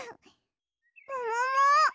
ももも！？